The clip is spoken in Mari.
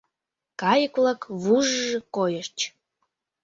Кайык-влак вуж-ж койыч.